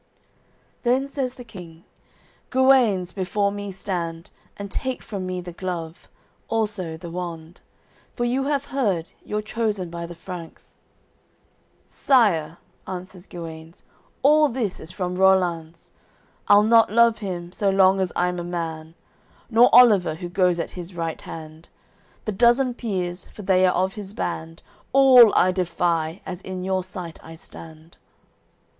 AOI. XXIV Then says the King: "Guenes, before me stand; And take from me the glove, also the wand. For you have heard, you're chosen by the Franks," "Sire," answers Guenes, "all this is from Rollanz; I'll not love him, so long as I'm a man, Nor Oliver, who goes at his right hand; The dozen peers, for they are of his band, All I defy, as in your sight I stand."